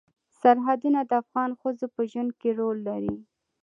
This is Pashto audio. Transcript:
سرحدونه د افغان ښځو په ژوند کې رول لري.